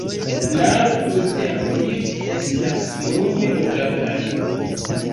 Naŭ inter ili estas nune loĝataj.